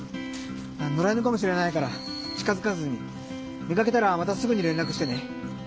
のら犬かもしれないから近づかずに見かけたらまたすぐにれんらくしてね。